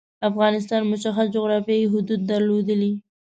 افغانستان مشخص جعرافیايی حدود درلودلي.